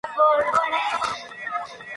Jean-Claude Van Damme protagonizó esta película.